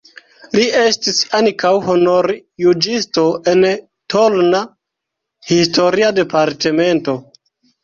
Li estis ankaŭ honorjuĝisto en Tolna (historia departemento).